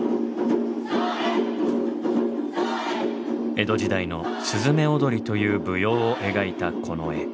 江戸時代の雀踊りという舞踊を描いたこの絵。